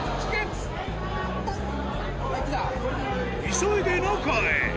急いで中へ。